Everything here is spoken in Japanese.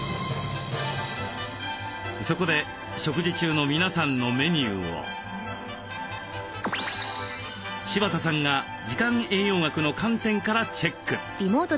そこで食事中の皆さんのメニューを柴田さんが時間栄養学の観点からチェック！